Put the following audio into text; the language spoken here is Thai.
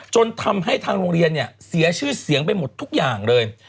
จนทำให้ทางโรงเรียนเนี่ยเสียชื่อเสียงไปหมดทุกอย่างเลย